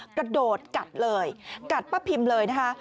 กระโดดกัดเลยกัดป้าพิมเลยนะคะ